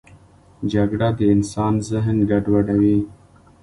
جګړه د انسان ذهن ګډوډوي